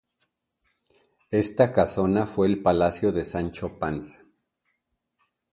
Esta casona fue el Palacio de Sancho Panza.